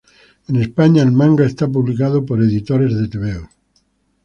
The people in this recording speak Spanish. En España el manga es publicado por Editores de Tebeos.